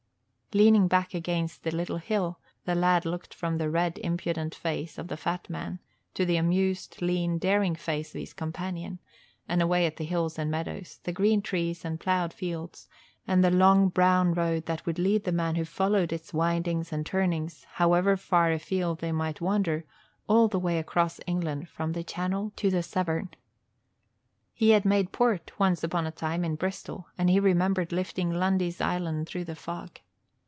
Leaning back against a little hill, the lad looked from the red, impudent face of the fat man to the amused, lean, daring face of his companion and away at the hills and meadows, the green trees and ploughed fields, and the long brown road that would lead the man who followed its windings and turnings, however far afield they might wander, all the way across England from the Channel to the Severn. He had made port, once upon a time, in Bristol and he remembered lifting Lundy's Island through the fog.